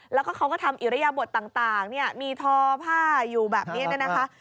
แล้วก็เขาก็ทำอิริยบทต่างมีทอผ้าอยู่แบบนี้นะคะ